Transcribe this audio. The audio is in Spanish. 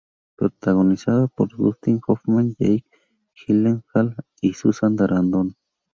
Protagonizada por Dustin Hoffman, Jake Gyllenhaal y Susan Sarandon.